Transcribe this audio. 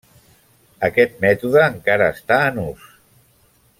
Aquest mètode encara està en ús.